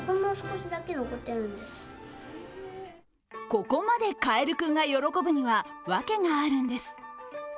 ここまでかえるクンが喜ぶには訳があるんです。